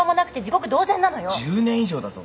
１０年以上だぞ。